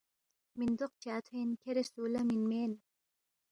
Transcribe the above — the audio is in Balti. میندوق چا تھوین، کھیرے سولا من مین۔